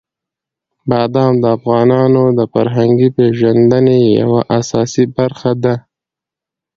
بادام د افغانانو د فرهنګي پیژندنې یوه اساسي برخه ده.